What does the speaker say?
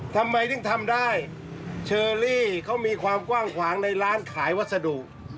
ทำไมถึงทำได้เชอรี่เขามีความกว้างขวางในร้านขายวัสดุ